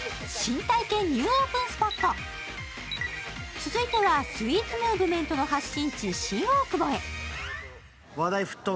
続いてはスイーツムーブメントの発信地・新大久保へ。